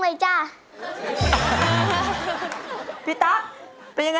อยากจะได้แอบอิ่ง